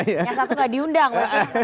yang satu gak diundang